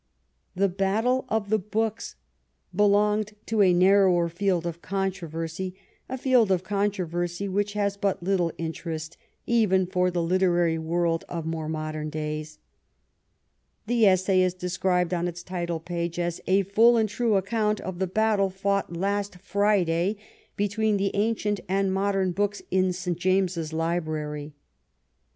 The Battle of the Books belonged to a narrower field of controversy, a field of controversy which has but little interest even for the literary world of more modem days. The essay is described on its title page as *^ A full and true account of the battle fought last Friday between the Ancient and the Modem Books in St. James' Library."